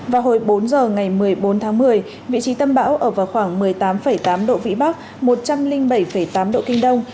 vào hồi bốn giờ ngày một mươi bốn tháng một mươi vị trí tâm bão ở vào khoảng một mươi tám tám độ vĩ bắc một trăm linh bảy tám độ kinh đông